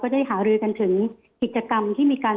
ได้หารือกันถึงกิจกรรมที่มีการ